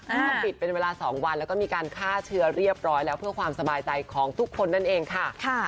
ถ้าปิดเป็นเวลา๒วันแล้วก็มีการฆ่าเชื้อเรียบร้อยแล้วเพื่อความสบายใจของทุกคนนั่นเองค่ะ